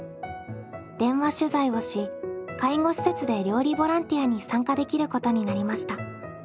電話取材をし介護施設で料理ボランティアに参加できることになりました。